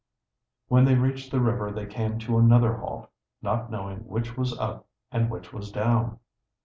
When they reached the river they came to another halt, not knowing which was up and which was down.